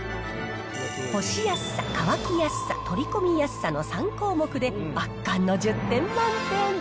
干しやすさ、乾きやすさ、取り込みやすさの３項目で圧巻の１０点満点。